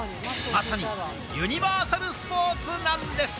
まさにユニバーサルスポーツなんです。